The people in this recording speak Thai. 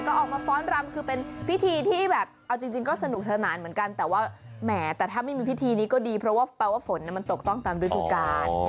ก็ออกมาฟ้อนรำคือเป็นพิธีที่แบบเอาจริงก็สนุกสนานเหมือนกันแต่ว่าแหมแต่ถ้าไม่มีพิธีนี้ก็ดีเพราะว่าแปลว่าฝนมันตกต้องตามฤดูกาล